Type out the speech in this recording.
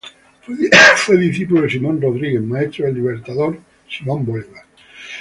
Fue discípulo de Simón Rodríguez, maestro del Libertador Simón Bolívar.